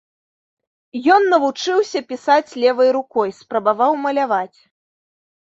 Ён навучыўся пісаць левай рукой, спрабаваў маляваць.